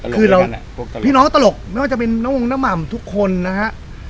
คือพี่น้องตลกไม่ว่าจะเป็นน้องน้ำมทุกคนนะฮะ